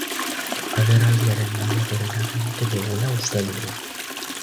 Agerraldiaren maila gorena gainditu dugula uste dugu.